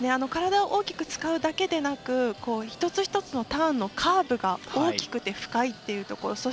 体を大きく使うだけでなく一つ一つのターンのカーブが大きくて深いというところ。